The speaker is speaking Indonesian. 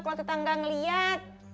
kalau tetangga ngeliat